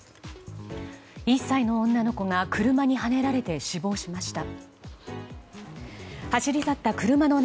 １歳の女の子が車にはねられて死亡しました。